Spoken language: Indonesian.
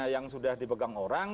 yang sudah dipegang orang